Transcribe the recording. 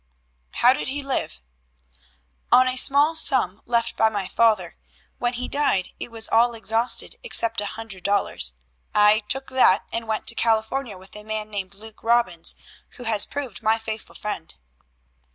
"How did he live?" "On a small sum left by my father. When he died it was all exhausted except a hundred dollars. I took that and went to California with a man named Luke Robbins, who has proved my faithful friend."